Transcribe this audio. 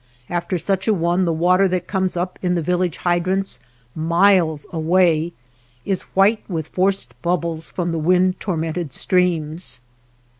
After such a one the water that comes up in the village hydrants miles away is white with forced bubbles from the wind tormented streams.